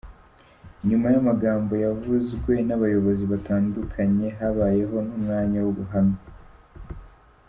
Nyuma y’amagambo yavuzwe n’abayobozi batandukanye, habayeho n’umwanya w’ubuhamya.